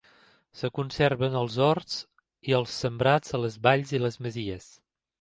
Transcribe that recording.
Es conserven els horts i els sembrats a les valls, i les masies.